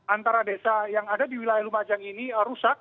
antara desa yang ada di wilayah lumajang ini rusak